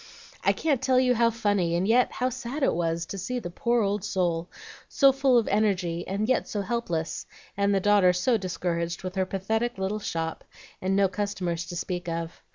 I can't tell you how funny and yet how sad it was to see the poor old soul, so full of energy and yet so helpless, and the daughter so discouraged with her pathetic little shop and no customers to speak of.